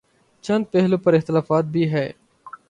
چند پہلوئوں پر اختلاف بھی ہے۔